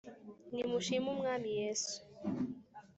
Nimushim' Umwami Yesu :